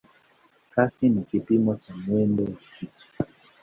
Kasi ni kipimo cha mwendo wa kitu.